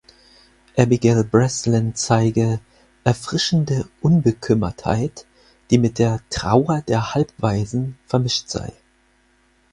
Abigail Breslin zeige "„erfrischende Unbekümmertheit“", die mit der "„Trauer der Halbwaisen“" vermischt sei.